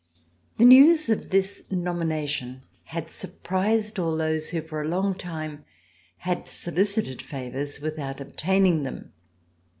The news of this nomination had surprised all those who for a long time had solicited favors with out obtaining them.